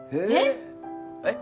えっ！？